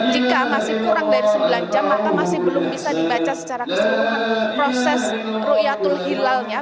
jika masih kurang dari sembilan jam maka masih belum bisa dibaca secara keseluruhan proses ⁇ ruyatul hilalnya